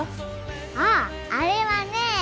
あっあれはね